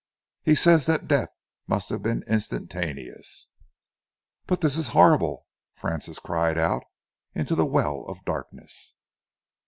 He says that death must have been instantaneous." "But this is horrible!" Francis cried out into the well of darkness.